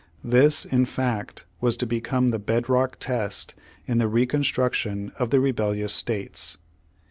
This, in fact, was to become the bed rock test in the Reconstruction of the rebellious states.